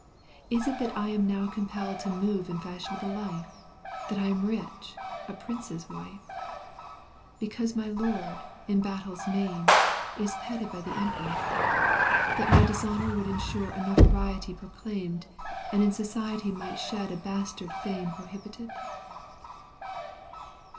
— Is it that I am now compelled To move in fashionable life, That I am rich, a prince's wife ?— Because my lord, in battles maimed, Is petted by the Emperor ?— That my dishonour would ensure A notoriety proclaimed. And in society might shed A bastard fame prohibited